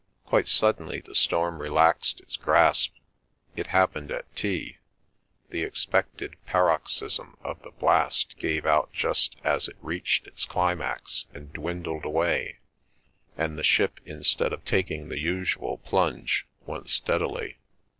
Quite suddenly the storm relaxed its grasp. It happened at tea; the expected paroxysm of the blast gave out just as it reached its climax and dwindled away, and the ship instead of taking the usual plunge went steadily.